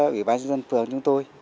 ủy ban dân phường chúng tôi